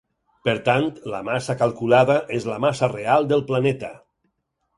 Per tant, la massa calculada és la massa real del planeta.